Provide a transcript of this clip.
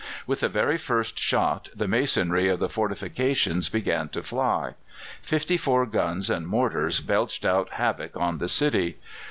With the very first shot the masonry of the fortifications began to fly. Fifty four guns and mortars belched out havoc on the city.